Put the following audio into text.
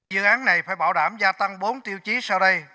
dự án này phải bảo đảm gia tăng bốn tiêu chí sau đây